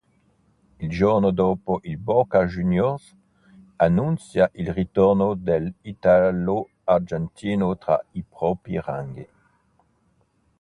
Il giorno dopo il Boca Juniors annuncia il ritorno dell'italo-argentino tra i propri ranghi.